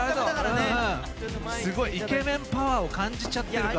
すごいイケメンパワーを感じちゃってるから。